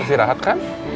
pasti rahat kan